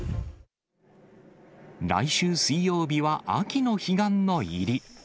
来週水曜日は秋の彼岸の入り。